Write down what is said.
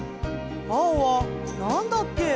青はなんだっけ？」